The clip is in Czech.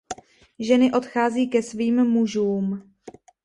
Ženy odchází ke svým mužům.